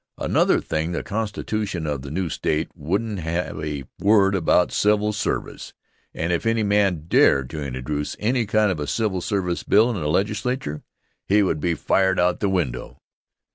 Another thing the constitution of the new state wouldn't have a word about civil service, and if any man dared to introduce any kind of a civil service bill in the Legislature, he would be fired out the window.